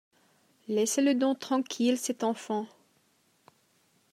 Laissez-le donc tranquille, cet enfant !...